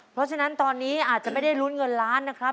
เพราะฉะนั้นตอนนี้อาจจะไม่ได้ลุ้นเงินล้านนะครับ